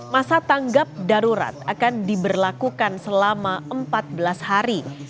masa tanggap darurat akan diberlakukan selama empat belas hari